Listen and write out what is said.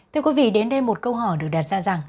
thưa quý vị đến đây một câu hỏi được đặt ra rằng